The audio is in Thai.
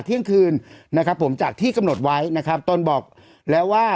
เที่ยงคืนนะครับผมจากที่กำหนดไว้นะครับต้นบอกแล้วว่า